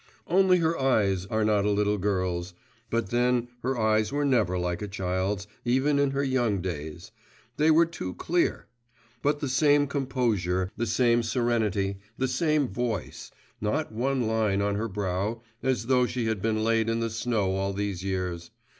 Only her eyes are not a little girl's; but then her eyes were never like a child's, even in her young days, they were too clear. But the same composure, the same serenity, the same voice, not one line on her brow, as though she had been laid in the snow all these years.